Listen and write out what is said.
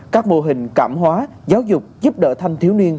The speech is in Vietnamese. các mô hình cảm hóa giáo dục giúp đỡ thanh thiếu niên